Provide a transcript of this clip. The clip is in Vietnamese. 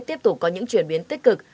tiếp tục có những chuyển biến tích cực